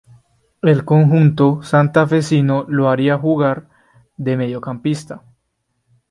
El conjunto santafesino lo haría jugar de mediocampista.